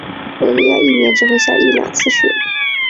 韦里亚一年只会下一两次雪。